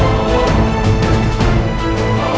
semoga kita masih bisa dipasangile